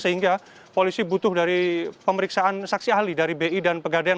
sehingga polisi butuh dari pemeriksaan saksi ahli dari bi dan pegadaian